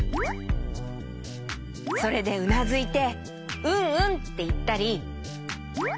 それでうなずいて「うんうん」っていったり。